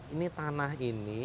ini tanah ini